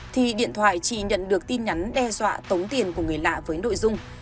thì điện thoại chỉ nhận được tin nhắn đe dọa tống tiền của người lạ với nội dung